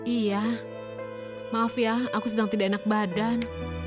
iya maaf ya aku sedang tidak enak badan